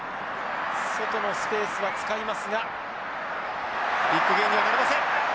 外のスペースは使いますがビッグゲインにはなりません。